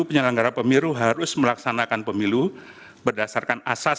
penyelenggara pemilu harus melaksanakan pemilu berdasarkan asas